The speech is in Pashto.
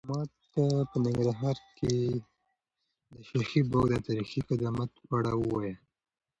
ماته په ننګرهار کې د شاهي باغ د تاریخي قدامت په اړه ووایه.